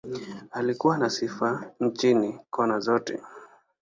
Alikuwa na sifa nchini, kona zote.